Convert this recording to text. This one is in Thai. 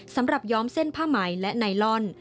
สำหรับย้อมเส้นผ้าไหมและไนลอน